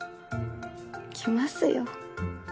来ますよ。